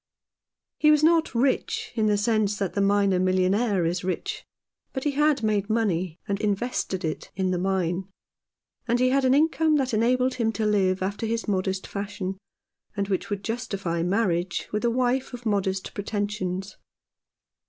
He was not rich in the sense that the miner millionaire is rich, but he had made money and invested it in the mine, and he had an income that enabled him to live after his modest fashion, and which would justify marriage with a wife of modest pretensions.